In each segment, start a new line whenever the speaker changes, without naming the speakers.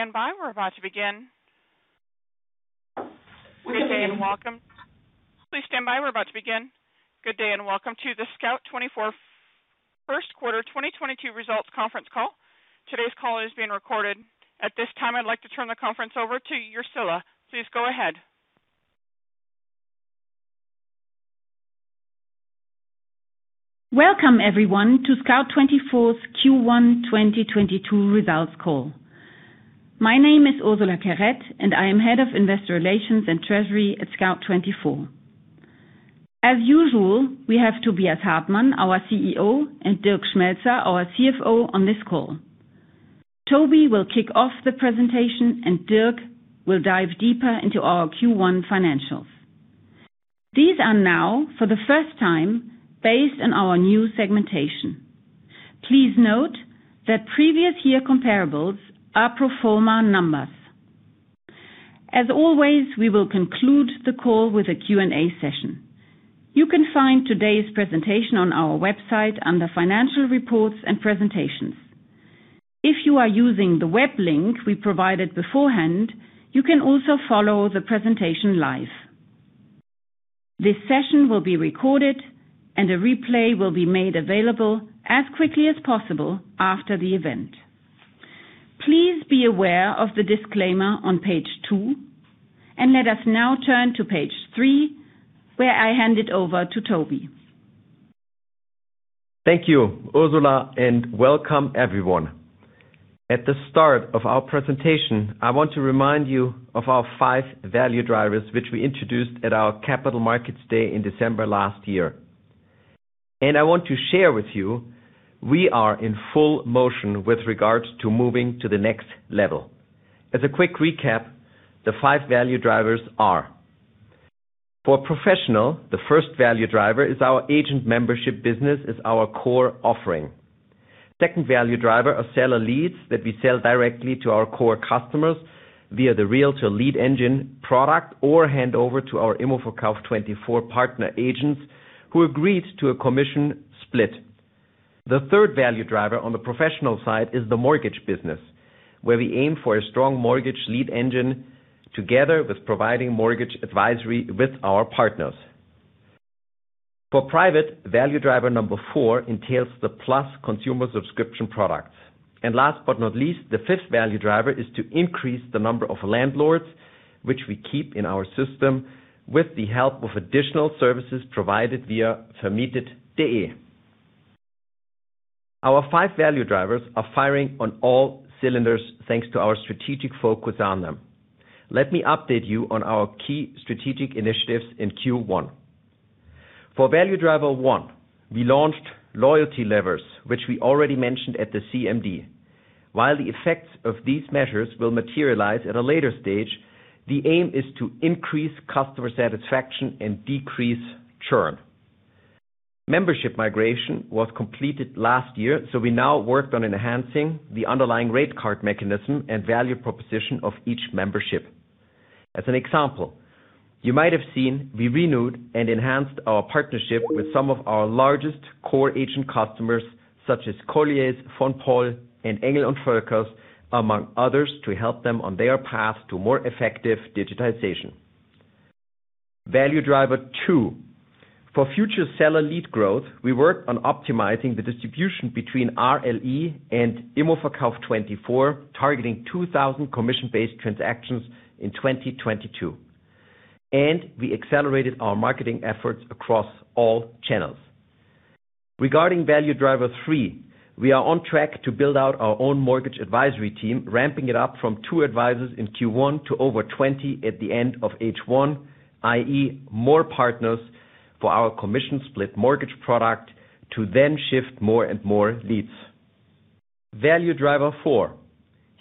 Please stand by. We're about to begin. Good day and welcome. Please stand by. We're about to begin. Good day and welcome to the Scout24 First Quarter 2022 Results Conference Call. Today's call is being recorded. At this time, I'd like to turn the conference over to Ursula. Please go ahead.
Welcome everyone to Scout24's Q1 2022 results call. My name is Ursula Querette, and I am head of investor relations and treasury at Scout24. As usual, we have Tobias Hartmann, our CEO, and Dirk Schmelzer, our CFO, on this call. Toby will kick off the presentation, and Dirk will dive deeper into our Q1 financials. These are now, for the first time, based on our new segmentation. Please note that previous year comparables are pro forma numbers. As always, we will conclude the call with a Q&A session. You can find today's presentation on our website under Financial Reports and Presentations. If you are using the web link we provided beforehand, you can also follow the presentation live. This session will be recorded and a replay will be made available as quickly as possible after the event. Please be aware of the disclaimer on page two and let us now turn to page three, where I hand it over to Toby.
Thank you, Ursula, and welcome everyone. At the start of our presentation, I want to remind you of our five value drivers, which we introduced at our Capital Markets Day in December last year. I want to share with you we are in full motion with regards to moving to the next level. As a quick recap, the five value drivers are. For professional, the first value driver is our agent membership business as our core offering. Second value driver are seller leads that we sell directly to our core customers via the Realtor Lead Engine product or hand over to our immoverkauf24 partner agents who agreed to a commission split. The third value driver on the professional side is the mortgage business, where we aim for a strong mortgage lead engine together with providing mortgage advisory with our partners. For private, value driver number four entails the plus consumer subscription products. Last but not least, the 5th value driver is to increase the number of landlords which we keep in our system with the help of additional services provided via vermietet.de. Our five value drivers are firing on all cylinders thanks to our strategic focus on them. Let me update you on our key strategic initiatives in Q1. For value driver one, we launched loyalty levers, which we already mentioned at the CMD. While the effects of these measures will materialize at a later stage, the aim is to increase customer satisfaction and decrease churn. Membership migration was completed last year, so we now worked on enhancing the underlying rate card mechanism and value proposition of each membership. As an example, you might have seen we renewed and enhanced our partnership with some of our largest core agent customers, such as Colliers, Von Poll, and Engel & Völkers, among others, to help them on their path to more effective digitization. Value driver two. For future seller lead growth, we worked on optimizing the distribution between RLE and immoverkauf24, targeting 2,000 commission-based transactions in 2022. We accelerated our marketing efforts across all channels. Regarding value driver three, we are on track to build out our own mortgage advisory team, ramping it up from two advisors in Q1 to over 20 at the end of H1, i.e. more partners for our commission split mortgage product to then shift more and more leads. Value driver four.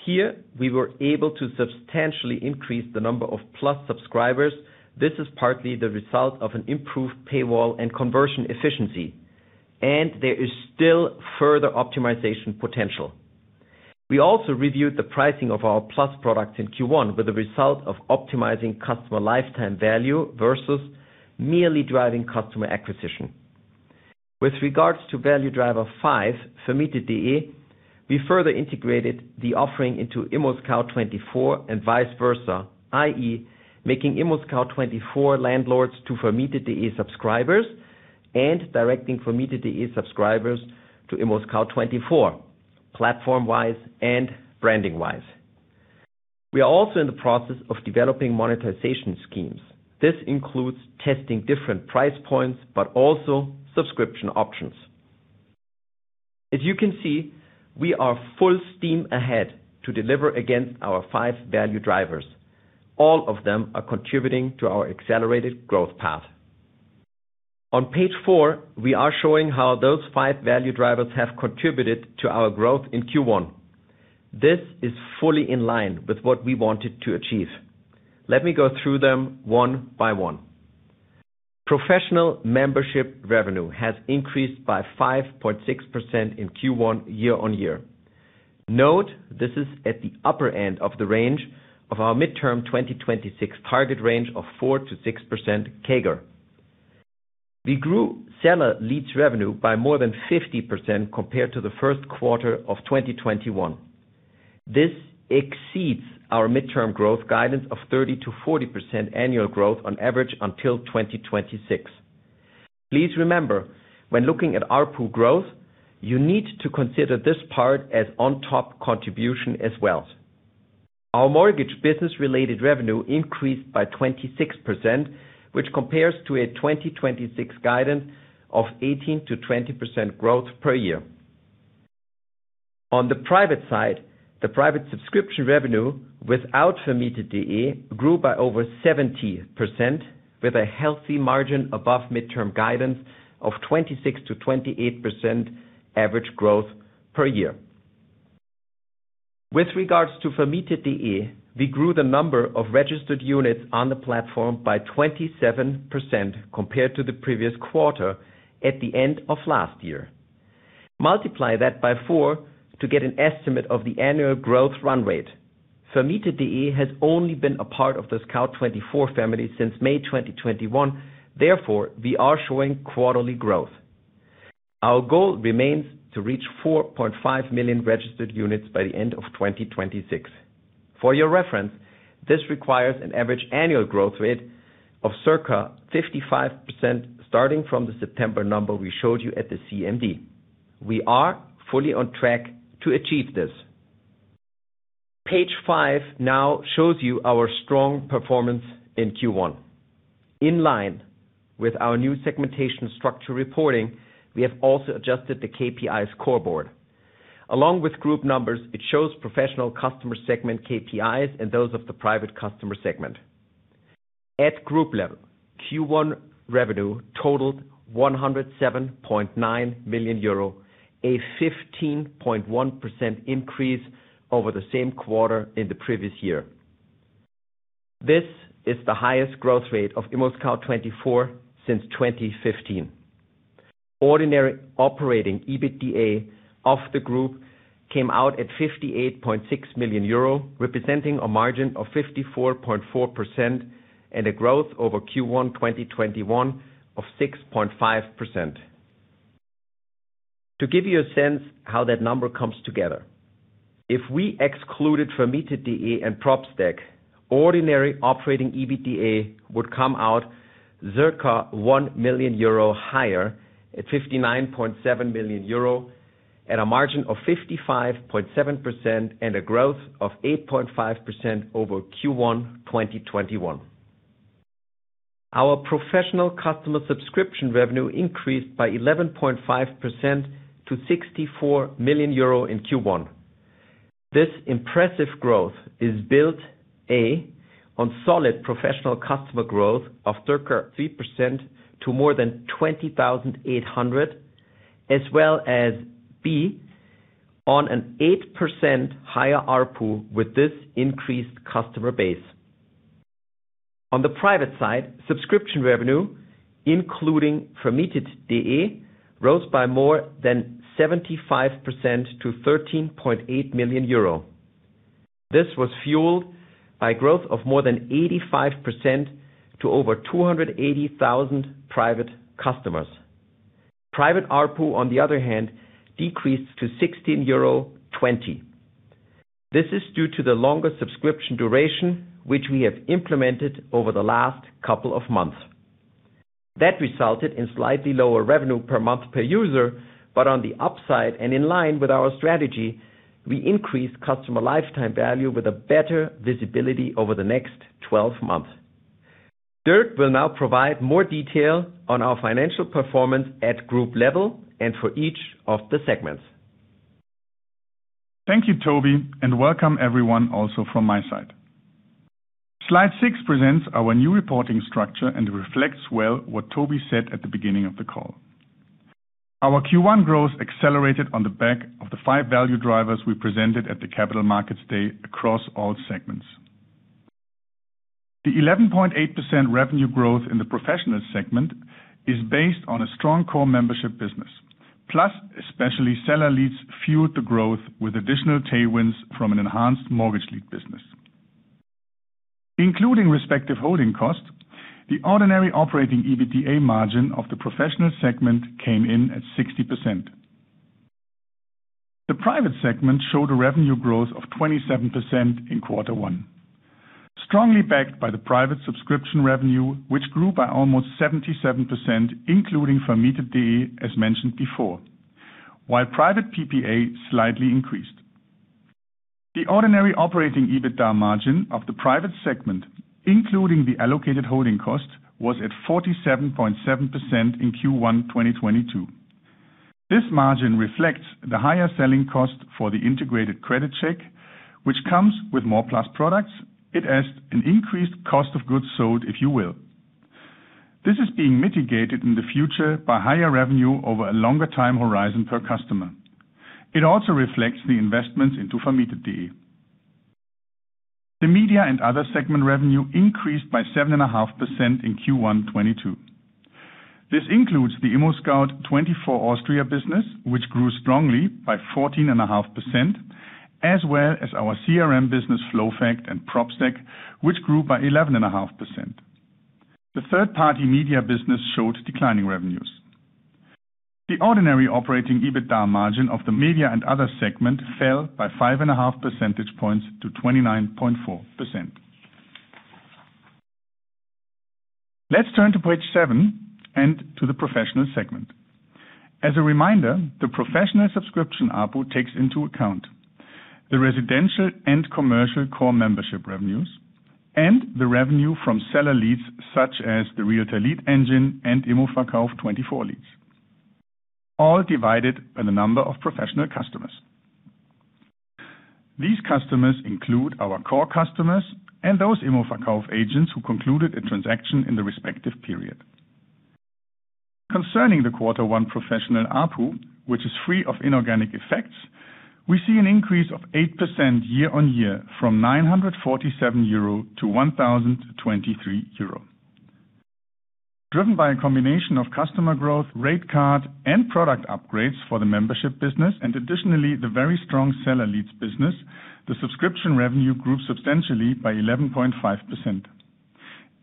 Here we were able to substantially increase the number of plus subscribers. This is partly the result of an improved paywall and conversion efficiency, and there is still further optimization potential. We also reviewed the pricing of our plus products in Q1 with a result of optimizing customer lifetime value versus merely driving customer acquisition. With regards to value driver five, Vermietet.de, we further integrated the offering into ImmoScout24 and vice versa, i.e. making ImmoScout24 landlords to Vermietet.de subscribers and directing Vermietet.de subscribers to ImmoScout24, platform-wise and branding-wise. We are also in the process of developing monetization schemes. This includes testing different price points, but also subscription options. As you can see, we are full steam ahead to deliver against our five value drivers. All of them are contributing to our accelerated growth path. On page four, we are showing how those five value drivers have contributed to our growth in Q1. This is fully in line with what we wanted to achieve. Let me go through them one by one. Professional membership revenue has increased by 5.6% in Q1 year-on-year. Note this is at the upper end of the range of our midterm 2026 target range of 4%-6% CAGR. We grew seller leads revenue by more than 50% compared to the first quarter of 2021. This exceeds our midterm growth guidance of 30%-40% annual growth on average until 2026. Please remember, when looking at ARPU growth, you need to consider this part as on top contribution as well. Our mortgage business related revenue increased by 26%, which compares to a 2026 guidance of 18%-20% growth per year. On the private side, the private subscription revenue without Vermietet.de grew by over 70% with a healthy margin above midterm guidance of 26%-28% average growth per year. With regards to Vermietet.de, we grew the number of registered units on the platform by 27% compared to the previous quarter at the end of last year. Multiply that by to get an estimate of the annual growth run rate. Vermietet.de has only been a part of the Scout24 family since May 2021, therefore we are showing quarterly growth. Our goal remains to reach 4.5 million registered units by the end of 2026. For your reference, this requires an average annual growth rate of circa 55% starting from the September number we showed you at the CMD. We are fully on track to achieve this. Page five now shows you our strong performance in Q1. In line with our new segmentation structure reporting, we have also adjusted the KPIs scoreboard. Along with group numbers, it shows professional customer segment KPIs and those of the private customer segment. At group level, Q1 revenue totaled 107.9 million euro, a 15.1% increase over the same quarter in the previous year. This is the highest growth rate of ImmoScout24 since 2015. Ordinary operating EBITDA of the group came out at 58.6 million euro, representing a margin of 54.4% and a growth over Q1 2021 of 6.5%. To give you a sense how that number comes together, if we excluded Vermietet.de and Propstack, ordinary operating EBITDA would come out circa 1 million euro higher at 59.7 million euro at a margin of 55.7% and a growth of 8.5% over Q1 2021. Our professional customer subscription revenue increased by 11.5% to 64 million euro in Q1. This impressive growth is built, A, on solid professional customer growth of circa 3% to more than 20,800 as well as, B, on an 8% higher ARPU with this increased customer base. On the private side, subscription revenue, including Vermietet.de, rose by more than 75% to 13.8 million euro. This was fueled by growth of more than 85% to over 280,000 private customers. Private ARPU, on the other hand, decreased to 16.20 euro. This is due to the longer subscription duration, which we have implemented over the last couple of months. That resulted in slightly lower revenue per month per user, but on the upside and in line with our strategy, we increased customer lifetime value with a better visibility over the next 12 months. Dirk will now provide more detail on our financial performance at group level and for each of the segments.
Thank you, Toby, and welcome everyone also from my side. Slide six presents our new reporting structure and reflects well what Toby said at the beginning of the call. Our Q1 growth accelerated on the back of the five value drivers we presented at the Capital Markets Day across all segments. The 11.8% revenue growth in the professional segment is based on a strong core membership business, plus especially seller leads fueled the growth with additional tailwinds from an enhanced mortgage lead business. Including respective holding costs, the ordinary operating EBITDA margin of the professional segment came in at 60%. The private segment showed a revenue growth of 27% in quarter one. Strongly backed by the private subscription revenue, which grew by almost 77%, including Vermietet.de, as mentioned before, while private PPA slightly increased. The ordinary operating EBITDA margin of the private segment, including the allocated holding cost, was at 47.7% in Q1 2022. This margin reflects the higher selling cost for the integrated credit check, which comes with more plus products. It adds an increased cost of goods sold, if you will. This is being mitigated in the future by higher revenue over a longer time horizon per customer. It also reflects the investments into Vermietet.de. The media and other segment revenue increased by 7.5% in Q1 2022. This includes the ImmoScout24 Austria business, which grew strongly by 14.5%. As well as our CRM business FlowFact and Propstack, which grew by 11.5%. The third-party media business showed declining revenues. The ordinary operating EBITDA margin of the media and other segment fell by 5.5 percentage points to 29.4%. Let's turn to page seven and to the professional segment. As a reminder, the professional subscription ARPU takes into account the residential and commercial core membership revenues and the revenue from seller leads such as the Realtor Lead Engine and immoverkauf24 leads, all divided by the number of professional customers. These customers include our core customers and those immoverkauf24 agents who concluded a transaction in the respective period. Concerning the quarter one professional ARPU, which is free of inorganic effects, we see an increase of 8% year on year from 947 euro to 1,023 euro. Driven by a combination of customer growth, rate card, and product upgrades for the membership business, and additionally, the very strong seller leads business, the subscription revenue grew substantially by 11.5%.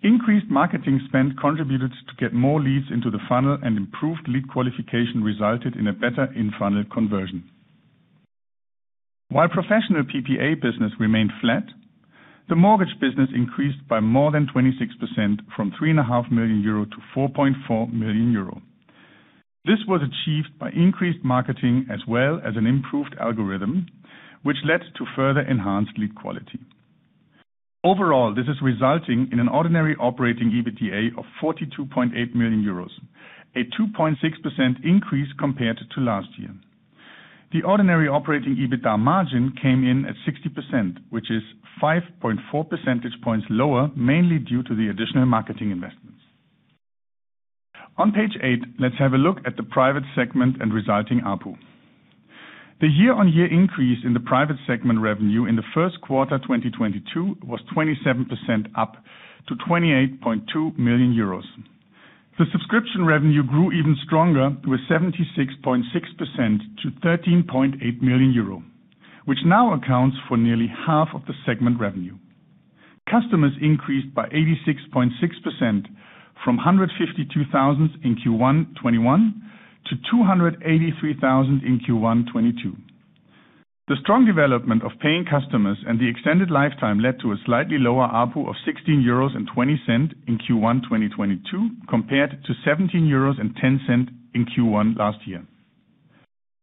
Increased marketing spend contributed to get more leads into the funnel and improved lead qualification resulted in a better in-funnel conversion. While professional PPA business remained flat, the mortgage business increased by more than 26% from 3.5 million euro to 4.4 million euro. This was achieved by increased marketing as well as an improved algorithm, which led to further enhanced lead quality. Overall, this is resulting in an ordinary operating EBITDA of 42.8 million euros, a 2.6% increase compared to last year. The ordinary operating EBITDA margin came in at 60%, which is 5.4 percentage points lower, mainly due to the additional marketing investments. On page eight, let's have a look at the private segment and resulting ARPU. The year-on-year increase in the private segment revenue in the first quarter, 2022 was 27% up to 28.2 million euros. The subscription revenue grew even stronger with 76.6% to 13.8 million euro, which now accounts for nearly half of the segment revenue. Customers increased by 86.6% from 152,000 in Q1 2021 to 283,000 in Q1 2022. The strong development of paying customers and the extended lifetime led to a slightly lower ARPU of 16.20 euros in Q1 2022 compared to 17.10 euros in Q1 last year.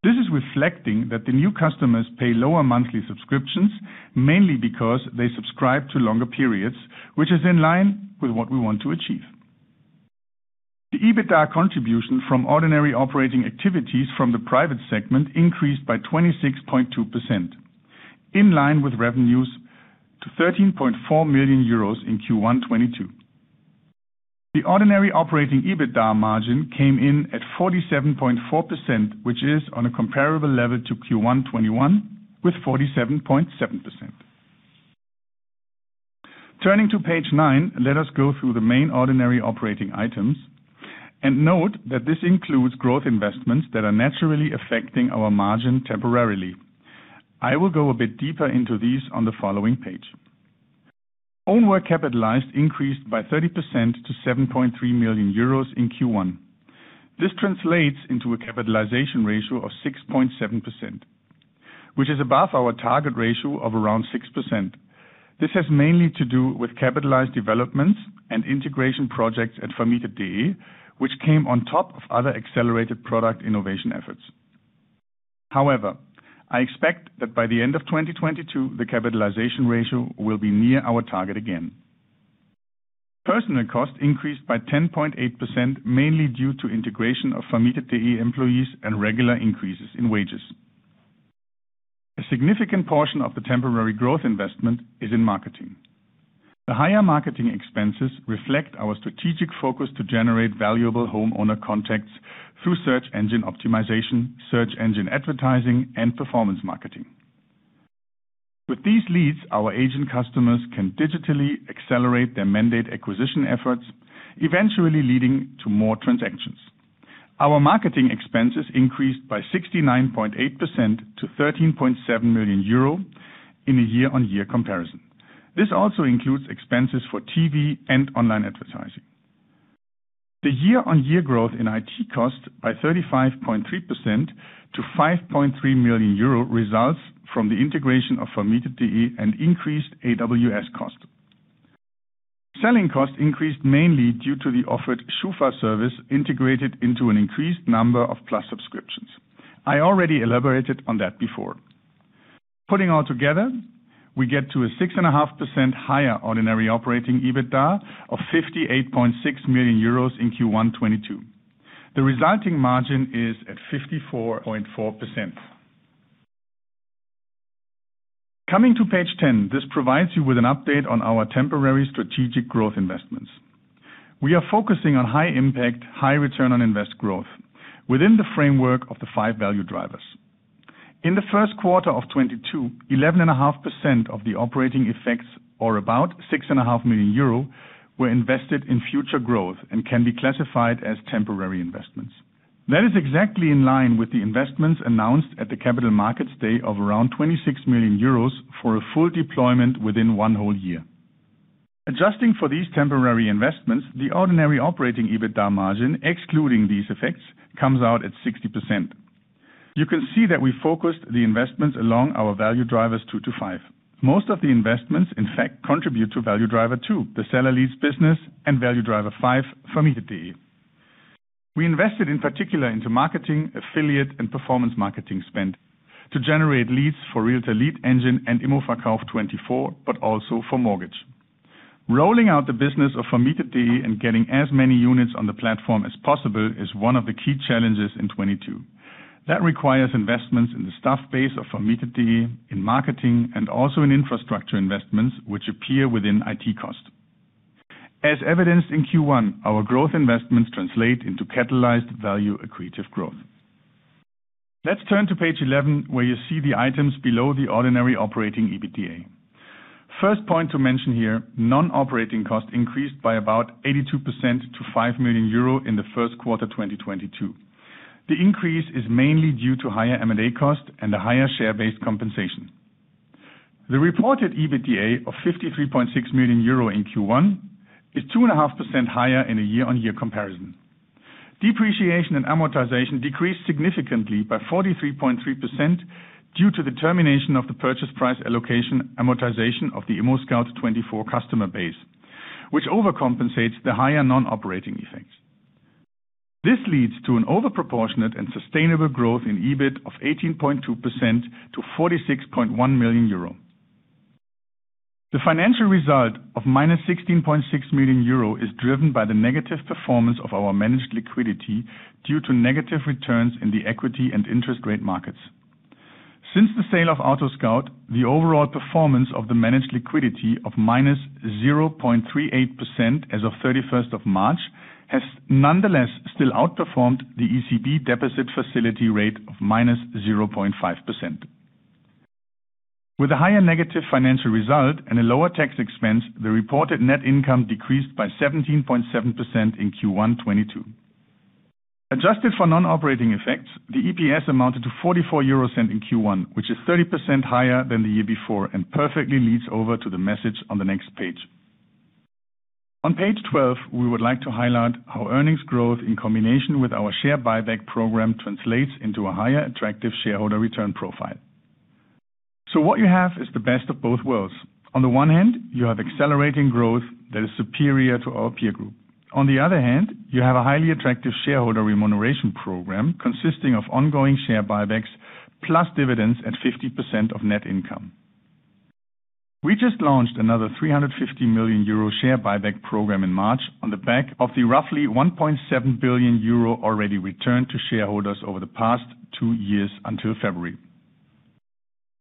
This is reflecting that the new customers pay lower monthly subscriptions, mainly because they subscribe to longer periods, which is in line with what we want to achieve. The EBITDA contribution from ordinary operating activities from the private segment increased by 26.2%, in line with revenues to 13.4 million euros in Q1 2022. The ordinary operating EBITDA margin came in at 47.4%, which is on a comparable level to Q1 2021 with 47.7%. Turning to page 9, let us go through the main ordinary operating items and note that this includes growth investments that are naturally affecting our margin temporarily. I will go a bit deeper into these on the following page. Own work capitalized increased by 30% to 7.3 million euros in Q1. This translates into a capitalization ratio of 6.7%, which is above our target ratio of around 6%. This has mainly to do with capitalized developments and integration projects at Vermietet.de, which came on top of other accelerated product innovation efforts. However, I expect that by the end of 2022, the capitalization ratio will be near our target again. Personnel cost increased by 10.8%, mainly due to integration of Vermietet.de employees and regular increases in wages. A significant portion of the temporary growth investment is in marketing. The higher marketing expenses reflect our strategic focus to generate valuable homeowner contacts through search engine optimization, search engine advertising, and performance marketing. With these leads, our agent customers can digitally accelerate their mandate acquisition efforts, eventually leading to more transactions. Our marketing expenses increased by 69.8% to 13.7 million euro in a year-on-year comparison. This also includes expenses for TV and online advertising. The year-on-year growth in IT cost by 35.3% to 5.3 million euro results from the integration of Vermietet.de and increased AWS cost. Selling cost increased mainly due to the offered SCHUFA service integrated into an increased number of plus subscriptions. I already elaborated on that before. Putting all together, we get to a 6.5% higher ordinary operating EBITDA of 58.6 million euros in Q1 2022. The resulting margin is at 54.4%. Coming to page ten, this provides you with an update on our temporary strategic growth investments. We are focusing on high impact, high return on invest growth within the framework of the five value drivers. In the first quarter of 2022, 11.5% of the operating effects, or about 6.5 million euro, were invested in future growth and can be classified as temporary investments. That is exactly in line with the investments announced at the Capital Markets Day of around 26 million euros for a full deployment within one whole year. Adjusting for these temporary investments, the ordinary operating EBITDA margin, excluding these effects, comes out at 60%. You can see that we focused the investments along our value drivers two-five. Most of the investments, in fact, contribute to value driver two, the seller leads business, and value driver five, Vermietet.de. We invested in particular into marketing, affiliate, and performance marketing spend to generate leads for Realtor Lead Engine and immoverkauf24, but also for mortgage. Rolling out the business of Vermietet.de and getting as many units on the platform as possible is one of the key challenges in 2022. That requires investments in the staff base of Vermietet.de, in marketing, and also in infrastructure investments which appear within IT cost. As evidenced in Q1, our growth investments translate into catalyzed value accretive growth. Let's turn to page 11, where you see the items below the ordinary operating EBITDA. First point to mention here, non-operating costs increased by about 82% to 5 million euro in the first quarter, 2022. The increase is mainly due to higher M&A costs and a higher share-based compensation. The reported EBITDA of 53.6 million euro in Q1 is 2.5% higher in a year-on-year comparison. Depreciation and amortization decreased significantly by 43.3% due to the termination of the purchase price allocation amortization of the ImmoScout24 customer base, which overcompensates the higher non-operating effects. This leads to an overproportionate and sustainable growth in EBIT of 18.2% to 46.1 million euro. The financial result of -16.6 million euro is driven by the negative performance of our managed liquidity due to negative returns in the equity and interest rate markets. Since the sale of AutoScout, the overall performance of the managed liquidity of -0.38% as of 31st of March has nonetheless still outperformed the ECB deposit facility rate of -0.5%. With a higher negative financial result and a lower tax expense, the reported net income decreased by 17.7% in Q1 2022. Adjusted for non-operating effects, the EPS amounted to 0.44 in Q1, which is 30% higher than the year before and perfectly leads over to the message on the next page. On page 12, we would like to highlight how earnings growth in combination with our share buyback program translates into a higher attractive shareholder return profile. What you have is the best of both worlds. On the one hand, you have accelerating growth that is superior to our peer group. On the other hand, you have a highly attractive shareholder remuneration program consisting of ongoing share buybacks plus dividends at 50% of net income. We just launched another 350 million euro share buyback program in March on the back of the roughly 1.7 billion euro already returned to shareholders over the past two years until February.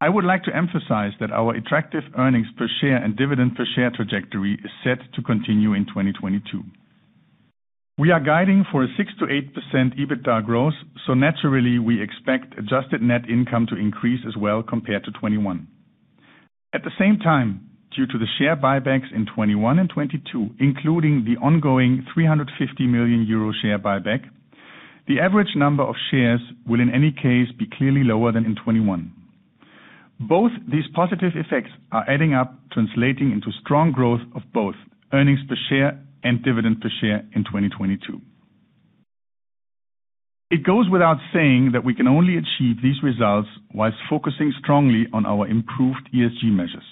I would like to emphasize that our attractive earnings per share and dividend per share trajectory is set to continue in 2022. We are guiding for a 6%-8% EBITDA growth, so naturally, we expect adjusted net income to increase as well compared to 2021. At the same time, due to the share buybacks in 2021 and 2022, including the ongoing 350 million euro share buyback, the average number of shares will in any case be clearly lower than in 2021. Both these positive effects are adding up, translating into strong growth of both earnings per share and dividend per share in 2022. It goes without saying that we can only achieve these results while focusing strongly on our improved ESG measures.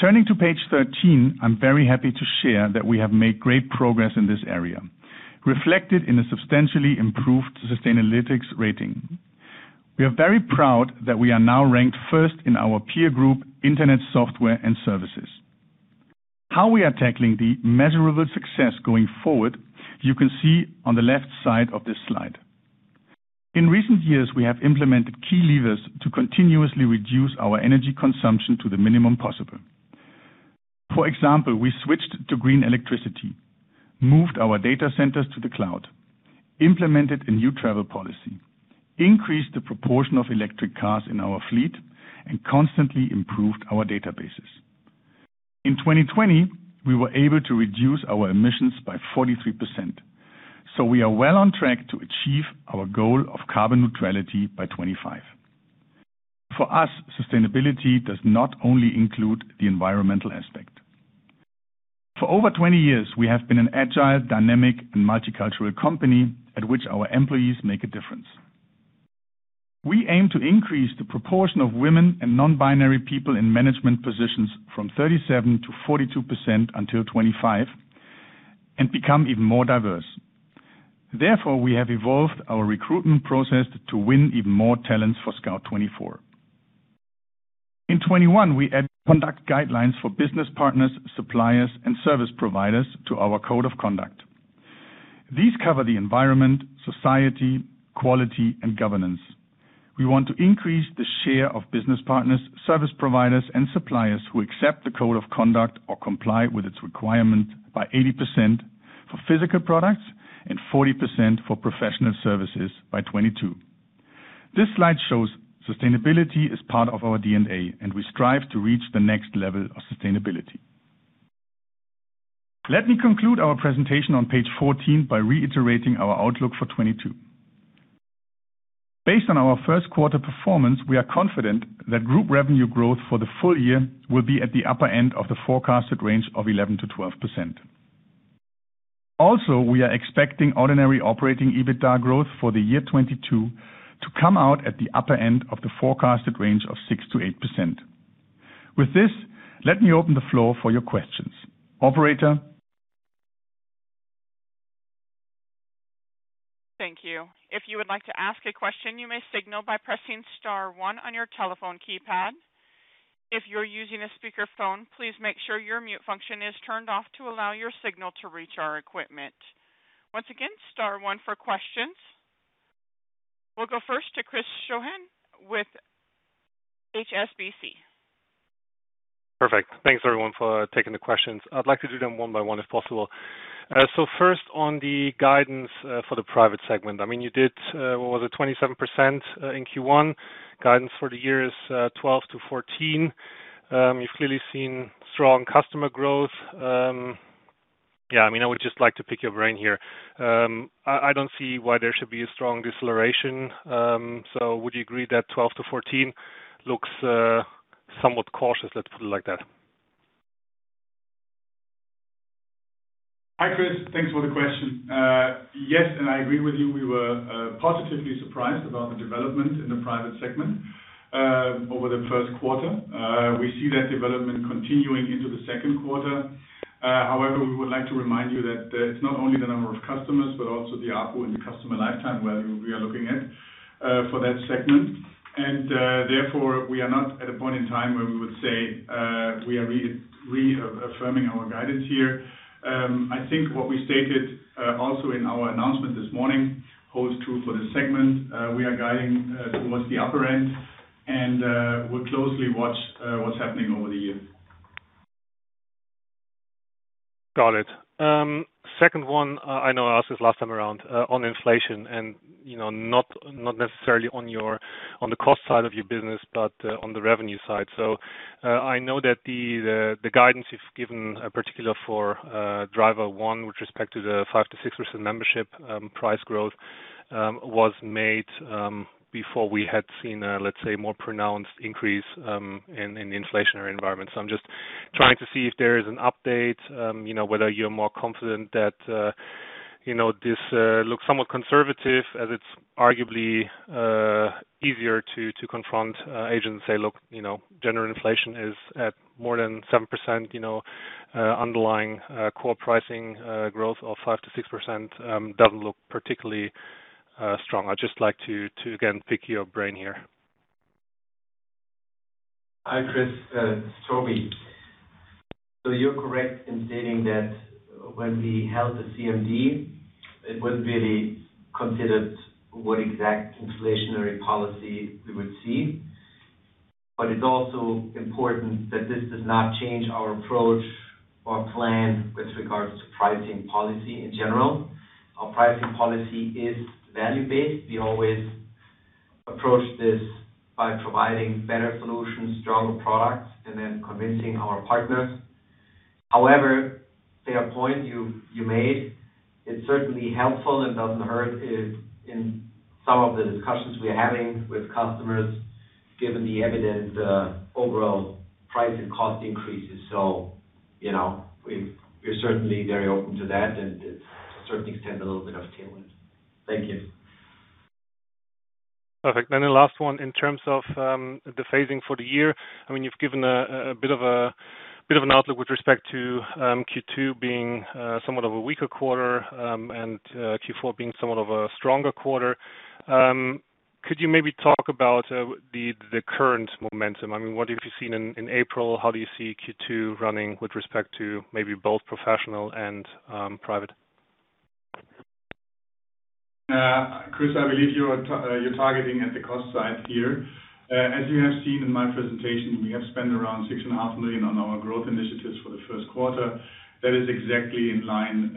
Turning to page 13, I'm very happy to share that we have made great progress in this area, reflected in a substantially improved Sustainalytics rating. We are very proud that we are now ranked first in our peer group, Internet Software and Services. How we are tackling the measurable success going forward, you can see on the left side of this slide. In recent years, we have implemented key levers to continuously reduce our energy consumption to the minimum possible. For example, we switched to green electricity, moved our data centers to the cloud, implemented a new travel policy, increased the proportion of electric cars in our fleet, and constantly improved our databases. In 2020, we were able to reduce our emissions by 43%, so we are well on track to achieve our goal of carbon neutrality by 2025. For us, sustainability does not only include the environmental aspect. For over 20 years, we have been an agile, dynamic and multicultural company at which our employees make a difference. We aim to increase the proportion of women and non-binary people in management positions from 37 to 42% until 2025 and become even more diverse. Therefore, we have evolved our recruitment process to win even more talents for Scout24. In 2021, we added conduct guidelines for business partners, suppliers and service providers to our code of conduct. These cover the environment, society, quality and governance. We want to increase the share of business partners, service providers and suppliers who accept the code of conduct or comply with its requirement by 80% for physical products and 40% for professional services by 2022. This slide shows sustainability is part of our DNA and we strive to reach the next level of sustainability. Let me conclude our presentation on page 14 by reiterating our outlook for 2022. Based on our first quarter performance, we are confident that group revenue growth for the full year will be at the upper end of the forecasted range of 11%-12%. Also, we are expecting ordinary operating EBITDA growth for the year 2022 to come out at the upper end of the forecasted range of 6%-8%. With this, let me open the floor for your questions. Operator.
Thank you. If you would like to ask a question, you may signal by pressing star one on your telephone keypad. If you're using a speakerphone, please make sure your mute function is turned off to allow your signal to reach our equipment. Once again, star one for questions. We'll go first to Chris Grundberg with HSBC.
Perfect. Thanks, everyone, for taking the questions. I'd like to do them one by one, if possible. First on the guidance for the private segment. I mean, you did what was it, 27% in Q1. Guidance for the year is 12%-14%. You've clearly seen strong customer growth. Yeah, I mean, I would just like to pick your brain here. I don't see why there should be a strong deceleration. Would you agree that 12%-14% looks somewhat cautious? Let's put it like that.
Hi, Chris. Thanks for the question. Yes, I agree with you. We were positively surprised about the development in the private segment over the first quarter. We see that development continuing into the second quarter. However, we would like to remind you that it's not only the number of customers, but also the ARPU and the customer lifetime value we are looking at for that segment. Therefore, we are not at a point in time where we would say we are reaffirming our guidance here. I think what we stated also in our announcement this morning holds true for this segment. We are guiding towards the upper end, and we'll closely watch what's happening over the year.
Got it. Second one, I know I asked this last time around, on inflation and, you know, not necessarily on the cost side of your business, but on the revenue side. I know that the guidance you've given, particularly for driver one with respect to the 5%-6% membership price growth, was made before we had seen, let's say, a more pronounced increase in the inflationary environment. I'm just trying to see if there is an update, you know, whether you're more confident that, you know, this looks somewhat conservative as it's arguably easier to confront agents and say, look, you know, general inflation is at more than 7%, you know, underlying core pricing growth of 5%-6% doesn't look particularly strong. I'd just like to again pick your brain here.
Hi, Chris, it's Toby. You're correct in stating that when we held the CMD, it wasn't really considered what exact inflationary policy we would see. It's also important that this does not change our approach or plan with regards to pricing policy in general. Our pricing policy is value based. We always approach this by providing better solutions, stronger products, and then convincing our partners. However, fair point you made, it's certainly helpful and doesn't hurt in some of the discussions we're having with customers given the evident overall price and cost increases. You know, we're certainly very open to that and it certainly extend a little bit of tailwind. Thank you.
Perfect. The last one in terms of the phasing for the year. I mean, you've given a bit of an outlook with respect to Q2 being somewhat of a weaker quarter, and Q4 being somewhat of a stronger quarter. Could you maybe talk about the current momentum? I mean, what have you seen in April? How do you see Q2 running with respect to maybe both professional and private?
Chris, I believe you're targeting at the cost side here. As you have seen in my presentation, we have spent around 6.5 million on our growth initiatives for the first quarter. That is exactly in line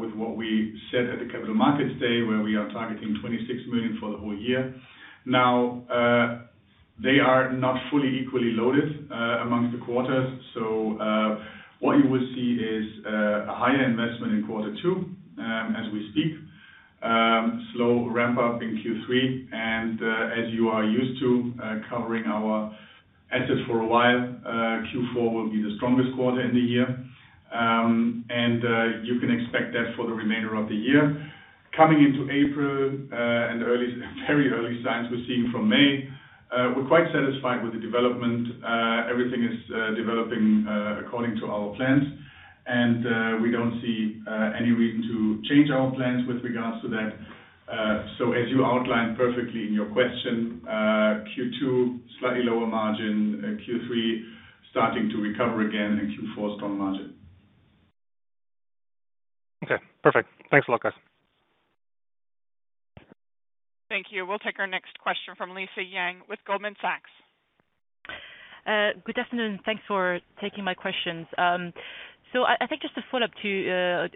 with what we said at the Capital Markets Day, where we are targeting 26 million for the whole year. Now, they are not fully equally loaded among the quarters. What you will see is a higher investment in quarter two, as we speak, slow ramp up in Q3. As you are used to covering our assets for a while, Q4 will be the strongest quarter in the year. You can expect that for the remainder of the year. Coming into April and early, very early signs we're seeing from May, we're quite satisfied with the development. Everything is developing according to our plans, and we don't see any reason to change our plans with regards to that. As you outlined perfectly in your question, Q2, slightly lower margin, Q3, starting to recover again, and Q4, strong margin.
Okay, perfect. Thanks a lot, guys.
Thank you. We'll take our next question from Lisa Yang with Goldman Sachs.
Good afternoon. Thanks for taking my questions. I think just a follow-up to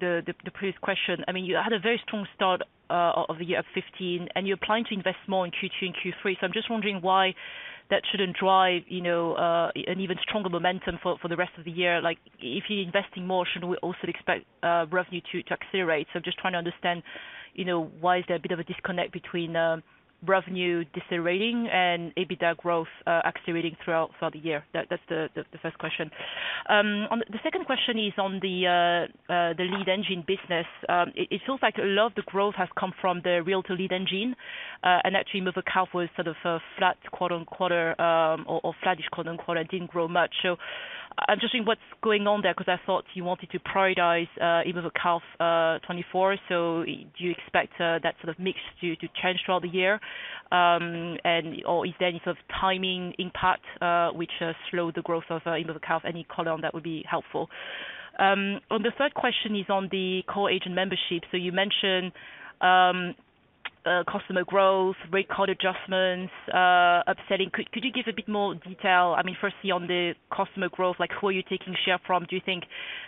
the previous question. I mean, you had a very strong start of the year at 15, and you're planning to invest more in Q2 and Q3. I'm just wondering why that shouldn't drive, you know, an even stronger momentum for the rest of the year. Like if you're investing more, shouldn't we also expect revenue to accelerate? Just trying to understand, you know, why is there a bit of a disconnect between revenue decelerating and EBITDA growth accelerating throughout for the year. That's the first question. The second question is on the Realtor Lead Engine business. It feels like a lot of the growth has come from the Realtor Lead Engine, and actually immoverkauf24 was sort of flat quarter-on-quarter or flattish quarter-on-quarter. Didn't grow much. I'm just seeing what's going on there because I thought you wanted to prioritize immoverkauf24. Do you expect that sort of mix to change throughout the year? Or is there any sort of timing impact which slowed the growth of immoverkauf24? Any color on that would be helpful. On the third question is on the core agent membership. You mentioned customer growth, rate card adjustments, upselling. Could you give a bit more detail, I mean, firstly on the customer growth, like who are you taking share from? Do you think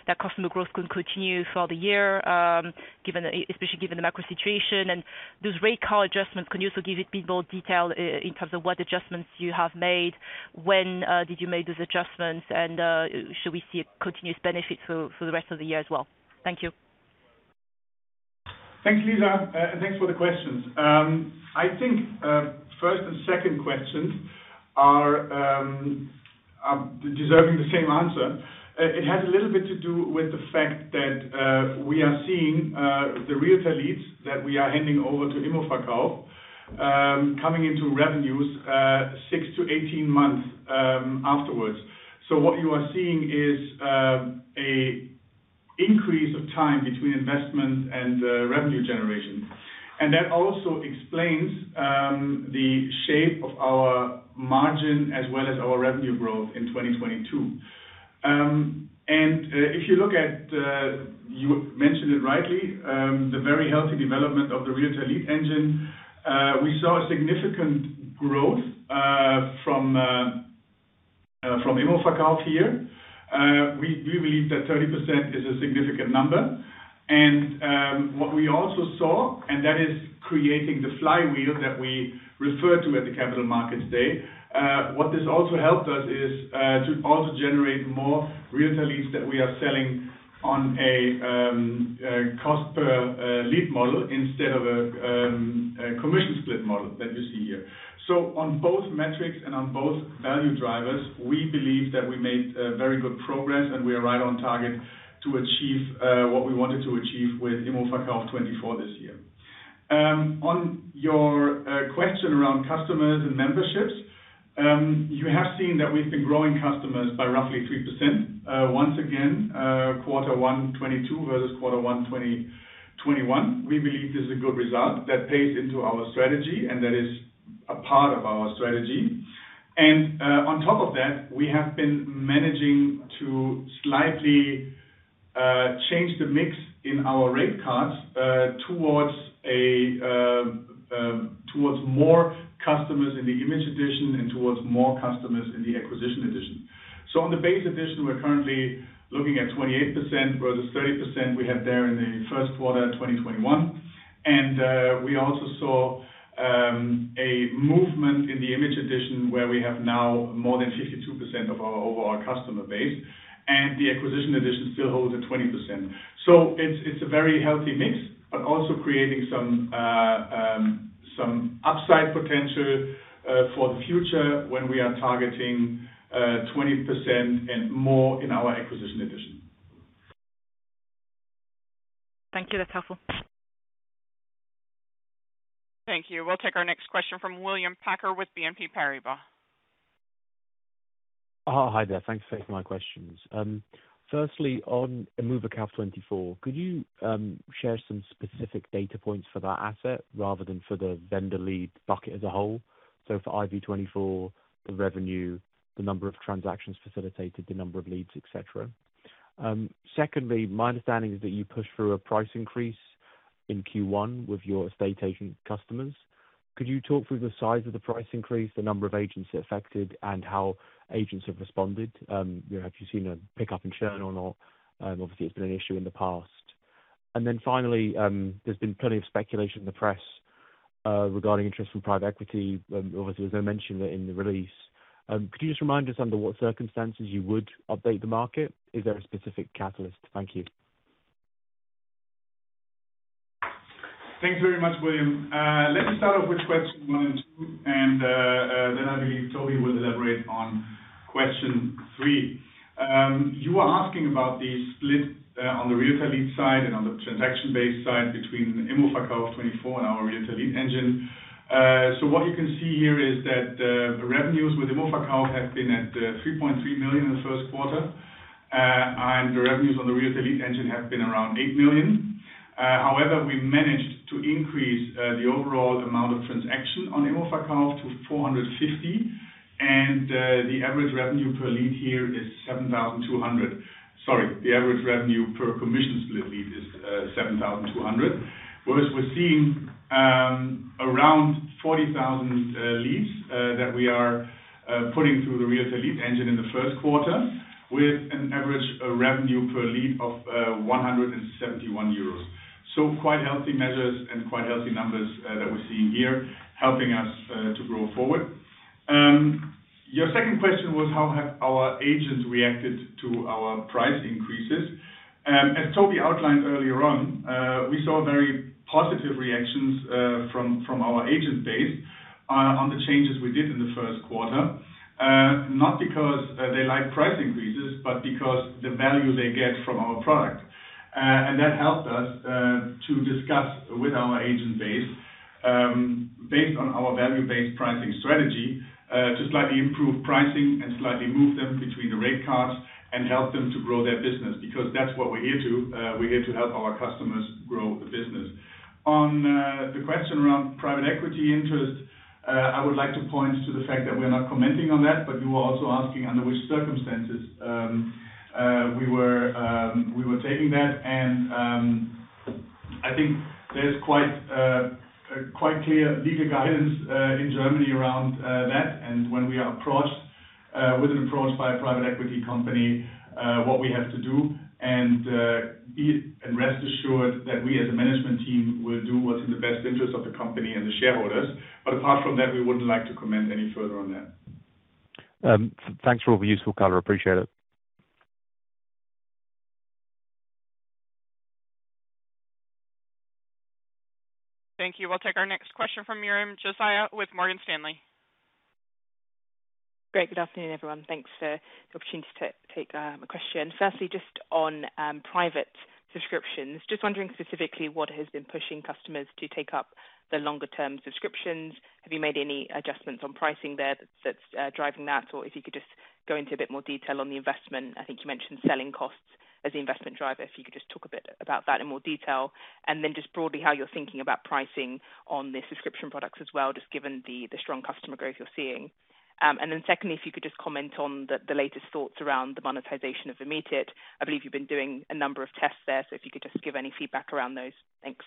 that customer growth can continue for the year, especially given the macro situation and those rate card adjustments? Can you also give a bit more detail in terms of what adjustments you have made? When did you make those adjustments? Should we see a continuous benefit for the rest of the year as well? Thank you.
Thanks, Lisa. Thanks for the questions. I think first and second questions are deserving the same answer. It has a little bit to do with the fact that we are seeing the Realtor leads that we are handing over to immoverkauf24 coming into revenues 6-18 months afterwards. What you are seeing is a increase of time between investment and revenue generation. That also explains the shape of our margin as well as our revenue growth in 2022. If you look at the, you mentioned it rightly the very healthy development of the Realtor Lead Engine. We saw a significant growth from immoverkauf24 here. We believe that 30% is a significant number. What we also saw, and that is creating the flywheel that we refer to at the Capital Markets Day. What this also helped us is to also generate more realtor leads that we are selling on a cost per lead model instead of a commission split model that you see here. On both metrics and on both value drivers, we believe that we made very good progress, and we are right on target to achieve what we wanted to achieve with immoverkauf24 this year. On your question around customers and memberships, you have seen that we've been growing customers by roughly 3%, once again, quarter one 2022 versus quarter one 2021. We believe this is a good result that plays into our strategy, and that is a part of our strategy. On top of that, we have been managing to slightly change the mix in our rate cards, towards more customers in the Image Edition and towards more customers in the Akquise-Edition. On the Base Edition, we're currently looking at 28% versus 30% we have there in the first quarter of 2021. We also saw a movement in the Image Edition where we have now more than 52% of our overall customer base, and the Akquise-Edition still holds at 20%. It's a very healthy mix, but also creating some upside potential for the future when we are targeting 20% and more in our Akquise-Edition.
Thank you. That's helpful.
Thank you. We'll take our next question from William Packer with BNP Paribas.
Hi there. Thanks for taking my questions. Firstly, on immoverkauf24, could you share some specific data points for that asset rather than for the vendor lead bucket as a whole? So for immoverkauf24, the revenue, the number of transactions facilitated, the number of leads, et cetera. Secondly, my understanding is that you pushed through a price increase in Q1 with your estate agent customers. Could you talk through the size of the price increase, the number of agents affected, and how agents have responded? You know, have you seen a pickup in churn or not? Obviously, it's been an issue in the past. Finally, there's been plenty of speculation in the press regarding interest from private equity. Obviously, there's no mention there in the release. Could you just remind us under what circumstances you would update the market? Is there a specific catalyst? Thank you.
Thanks very much, William. Let me start off with question one and two, and then I believe Toby will elaborate on question three. You are asking about the split, on the realtor lead side and on the transaction-based side between immoverkauf24 and our Realtor Lead Engine. What you can see here is that, the revenues with immoverkauf24 have been at 3.3 million in the first quarter. The revenues on the Realtor Lead Engine have been around 8 million. However, we managed to increase, the overall amount of transaction on immoverkauf24 to 450. The average revenue per lead here is 7,200. Sorry, the average revenue per commission split lead is 7,200. Whereas we're seeing around 40,000 leads that we are putting through the Realtor Lead Engine in the first quarter with an average revenue per lead of 171 euros. Quite healthy measures and quite healthy numbers that we're seeing here, helping us to grow forward. Your second question was how have our agents reacted to our price increases? As Toby outlined earlier on, we saw very positive reactions from our agent base on the changes we did in the first quarter. Not because they like price increases, but because the value they get from our product. That helped us to discuss with our agent base, based on our value-based pricing strategy, to slightly improve pricing and slightly move them between the rate cards and help them to grow their business, because that's what we're here to. We're here to help our customers grow the business. On the question around private equity interest, I would like to point to the fact that we're not commenting on that. You were also asking under which circumstances we were taking that. I think there's quite clear legal guidance in Germany around that. When we are approached with an approach by a private equity company, what we have to do and be. Rest assured that we as a management team will do what's in the best interest of the company and the shareholders. Apart from that, we wouldn't like to comment any further on that.
Thanks for all the useful color. Appreciate it.
Thank you. We'll take our next question from Miriam Adisa with Morgan Stanley.
Great. Good afternoon, everyone. Thanks for the opportunity to take a question. Firstly, just on private subscriptions. Just wondering specifically what has been pushing customers to take up the longer term subscriptions. Have you made any adjustments on pricing there that's driving that? Or if you could just go into a bit more detail on the investment. I think you mentioned selling costs as the investment driver. If you could just talk a bit about that in more detail. Just broadly how you're thinking about pricing on the subscription products as well, just given the strong customer growth you're seeing. Secondly, if you could just comment on the latest thoughts around the monetization of ImmoScout24. I believe you've been doing a number of tests there, so if you could just give any feedback around those. Thanks.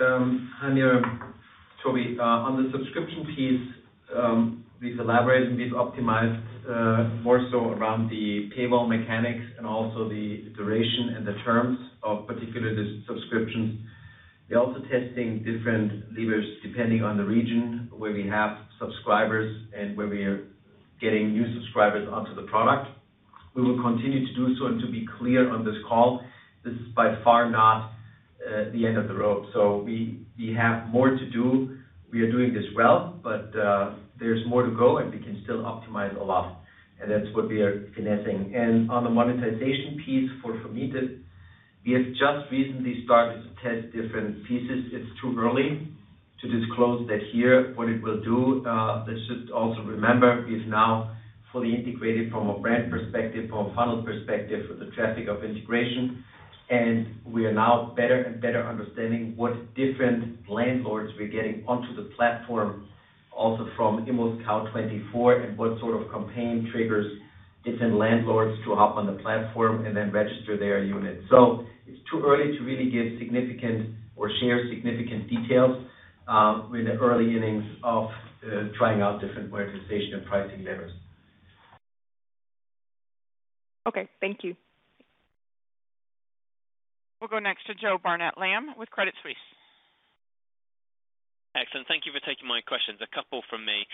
Hi, Miriam. Toby. On the subscription piece, we've elaborated and we've optimized more so around the payable mechanics and also the duration and the terms of particular subscriptions. We're also testing different levers depending on the region where we have subscribers and where we are getting new subscribers onto the product. We will continue to do so. To be clear on this call, this is by far not the end of the road. We have more to do. We are doing this well, but there's more to go, and we can still optimize a lot, and that's what we are finessing. On the monetization piece for ImmoScout24, we have just recently started to test different pieces. It's too early to disclose that here. What it will do, they should also remember is now fully integrated from a brand perspective, from a funnel perspective, with the traffic integration. We are now better and better understanding what different landlords we're getting onto the platform, also from ImmoScout24, and what sort of campaign triggers different landlords to hop on the platform and then register their unit. It's too early to really give significant or share significant details with the early innings of trying out different monetization and pricing levers.
Okay, thank you.
We'll go next to Joseph Barnet-Lamb with Credit Suisse.
Excellent. Thank you for taking my questions. A couple from me.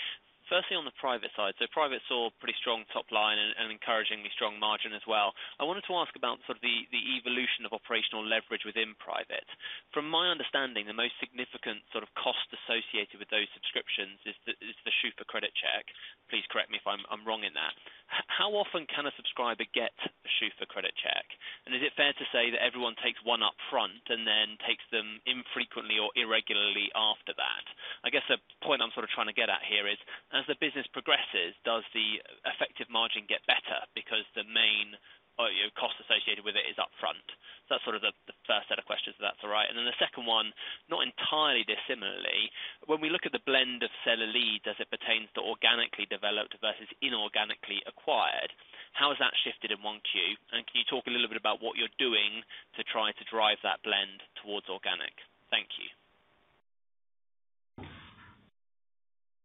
Firstly, on the private side. Private saw pretty strong top line and encouragingly strong margin as well. I wanted to ask about sort of the evolution of operational leverage within private. From my understanding, the most significant sort of cost associated with those subscriptions is the SCHUFA credit check. Please correct me if I'm wrong in that. How often can a subscriber get a SCHUFA credit check? And is it fair to say that everyone takes one upfront and then takes them infrequently or irregularly after that? I guess a point I'm sort of trying to get at here is, as the business progresses, does the effective margin get better because the main, you know, cost associated with it is upfront? That's sort of the first set of questions, if that's all right. Then the second one, not entirely dissimilarly. When we look at the blend of seller leads as it pertains to organically developed versus inorganically acquired, how has that shifted in 1Q? Can you talk a little bit about what you're doing to try to drive that blend towards organic? Thank you.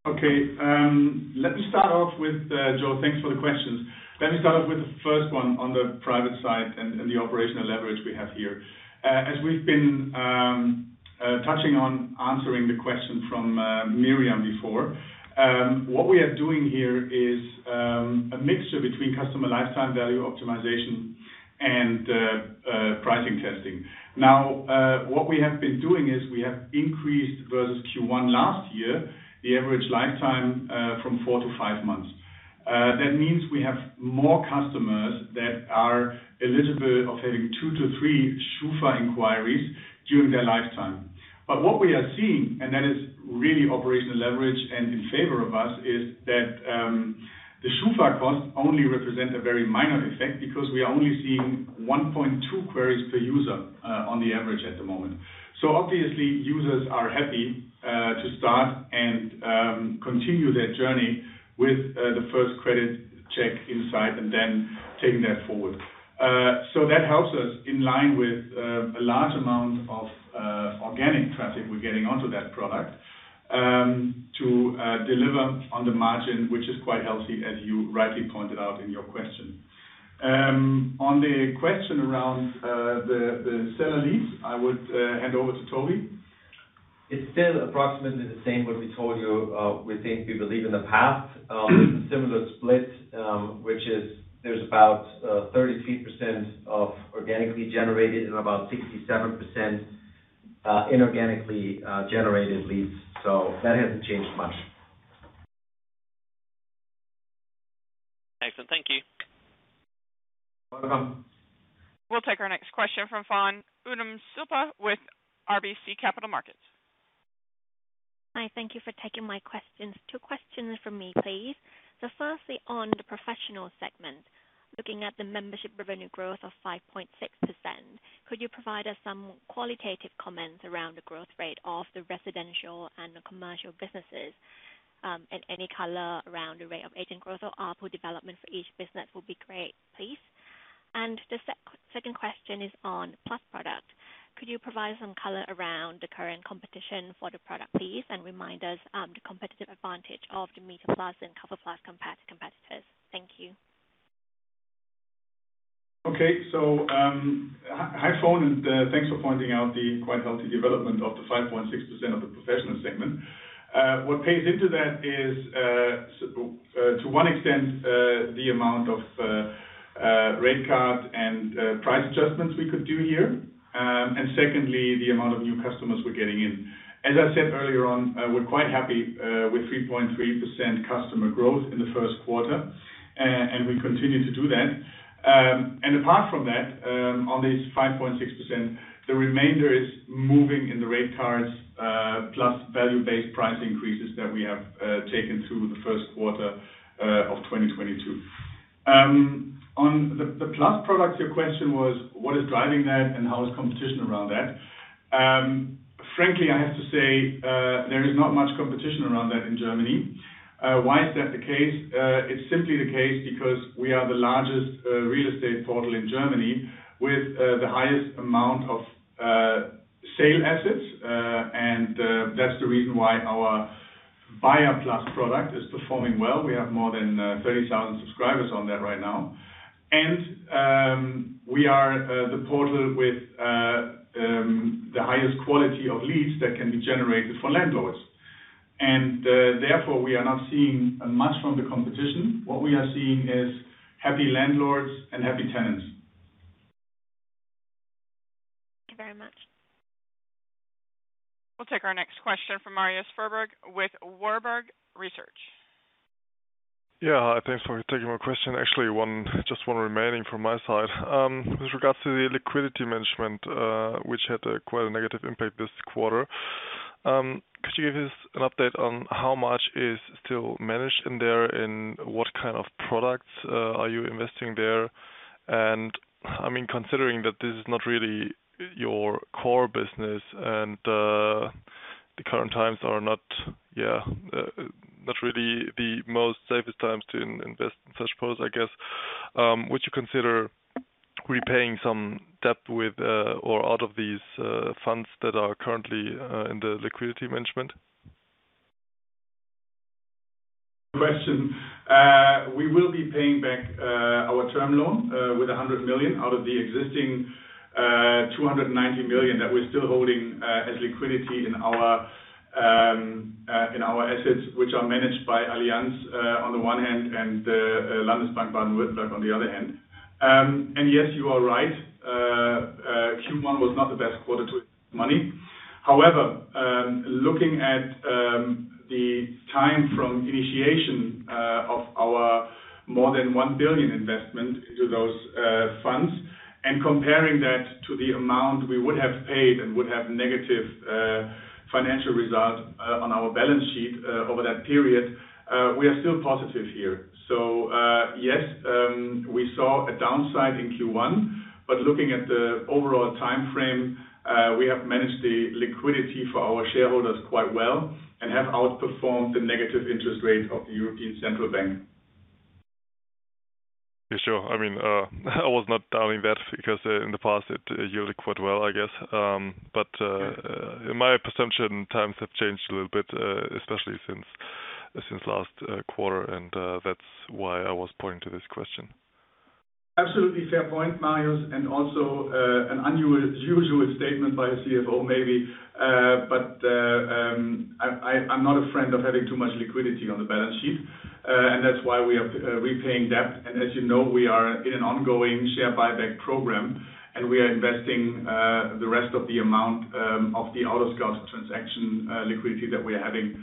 Okay, let me start off with Joe, thanks for the questions. Let me start off with the first one on the private side and the operational leverage we have here. As we've been touching on answering the question from Miriam before, what we are doing here is a mixture between customer lifetime value optimization and pricing testing. Now, what we have been doing is we have increased versus Q1 last year, the average lifetime from four to five months. That means we have more customers that are eligible of having two to three Schufa inquiries during their lifetime. What we are seeing, and that is really operational leverage and in favor of us, is that the SCHUFA cost only represent a very minor effect because we are only seeing 1.2 queries per user, on the average at the moment. Obviously, users are happy to start and continue their journey with the first credit check insight and then taking that forward. That helps us in line with a large amount of organic traffic we're getting onto that product to deliver on the margin, which is quite healthy, as you rightly pointed out in your question. On the question around the seller leads, I would hand over to Toby.
It's still approximately the same what we told you, which we believe in the past. Similar split, which is there's about 33% of organically generated and about 67% inorganically generated leads. That hasn't changed much.
Excellent. Thank you.
Welcome.
We'll take our next question from Wassachon Udomsilpa with RBC Capital Markets.
Hi, thank you for taking my questions. Two questions from me, please. Firstly, on the professional segment, looking at the membership revenue growth of 5.6%, could you provide us some qualitative comments around the growth rate of the residential and the commercial businesses, and any color around the rate of agent growth or output development for each business will be great, please. The second question is on Plus product. Could you provide some color around the current competition for the product, please, and remind us, the competitive advantage of the MieterPlus and KäuferPlus compared to competitors. Thank you.
Okay. Hi, Fawn, and thanks for pointing out the quite healthy development of the 5.6% of the professional segment. What pays into that is, to one extent, the amount of rate card and price adjustments we could do here. Secondly, the amount of new customers we're getting in. As I said earlier on, we're quite happy with 3.3% customer growth in the first quarter, and we continue to do that. Apart from that, on this 5.6%, the remainder is moving in the rate cards plus value-based price increases that we have taken through the first quarter of 2022. On the Plus products, your question was, what is driving that and how is competition around that? Frankly, I have to say, there is not much competition around that in Germany. Why is that the case? It's simply the case because we are the largest real estate portal in Germany with the highest amount of sale assets. That's the reason why our KäuferPlus product is performing well. We have more than 30,000 subscribers on that right now. We are the portal with the highest quality of leads that can be generated for landlords. Therefore, we are not seeing much from the competition. What we are seeing is happy landlords and happy tenants.
Thank you very much.
We'll take our next question from Wassachon Udomsilpa with RBC Capital Markets.
Yeah. Thanks for taking my question. Actually, just one remaining from my side. With regards to the liquidity management, which had quite a negative impact this quarter, could you give us an update on how much is still managed in there, and what kind of products are you investing there? I mean, considering that this is not really your core business and the current times are not really the most safest times to invest in such posts, I guess, would you consider repaying some debt with or out of these funds that are currently in the liquidity management?
Question. We will be paying back our term loan with 100 million out of the existing 290 million that we're still holding as liquidity in our assets, which are managed by Allianz on the one hand and Landesbank Baden-Württemberg on the other hand. Yes, you are right. Q1 was not the best quarter to make money. However, looking at the time from initiation of our more than 1 billion investment into those funds and comparing that to the amount we would have paid and would have negative financial results on our balance sheet over that period, we are still positive here. We saw a downside in Q1, but looking at the overall timeframe, we have managed the liquidity for our shareholders quite well and have outperformed the negative interest rate of the European Central Bank.
Yeah, sure. I mean, I was not doubting that because in the past it yielded quite well, I guess. In my presumption, times have changed a little bit, especially since last quarter, and that's why I was pointing to this question.
Absolutely fair point, Marius, and also, an unusual statement by a CFO, maybe, but, I'm not a friend of having too much liquidity on the balance sheet, and that's why we are repaying debt. As you know, we are in an ongoing share buyback program, and we are investing the rest of the amount of the AutoScout24 transaction liquidity that we are having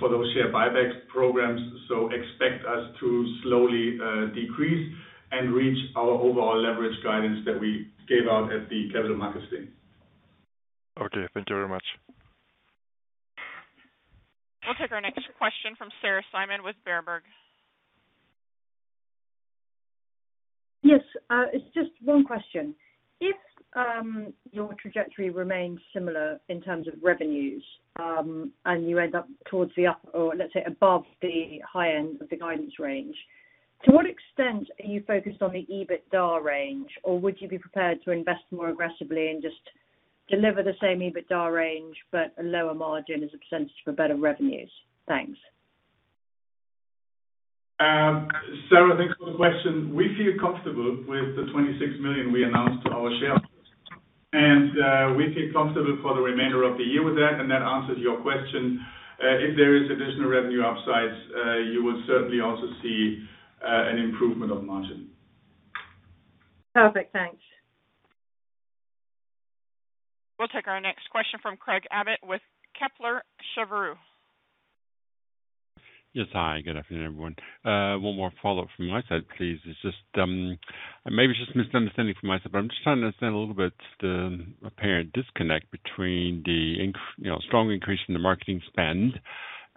for those share buyback programs. Expect us to slowly decrease and reach our overall leverage guidance that we gave out at the Capital Markets Day.
Okay. Thank you very much.
We'll take our next question from Sarah Simon with Berenberg.
Yes. It's just one question. If your trajectory remains similar in terms of revenues, and you end up towards the up or let's say above the high end of the guidance range, to what extent are you focused on the EBITDA range, or would you be prepared to invest more aggressively and just deliver the same EBITDA range, but a lower margin as a percentage for better revenues? Thanks.
Sarah, thanks for the question. We feel comfortable with the 26 million we announced to our shareholders, and we feel comfortable for the remainder of the year with that, and that answers your question. If there is additional revenue upsides, you would certainly also see an improvement of margin.
Perfect. Thanks.
We'll take our next question from Craig Abbott with Kepler Cheuvreux.
Yes. Hi. Good afternoon, everyone. One more follow-up from my side, please. It's just, maybe it's just misunderstanding from my side, but I'm just trying to understand a little bit the apparent disconnect between the strong increase in the marketing spend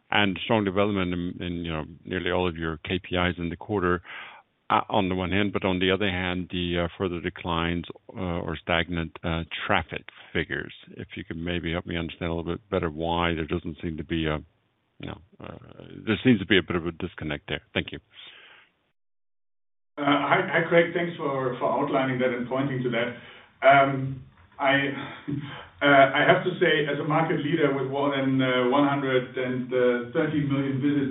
and strong development in you know, nearly all of your KPIs in the quarter, on the one hand, but on the other hand, the further declines or stagnant traffic figures. If you could maybe help me understand a little bit better why there doesn't seem to be a, you know. There seems to be a bit of a disconnect there. Thank you.
Hi, Craig. Thanks for outlining that and pointing to that. I have to say, as a market leader with more than 130 million visitors.